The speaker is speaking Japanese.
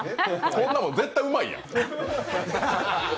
こんなもん、絶対うまいやん。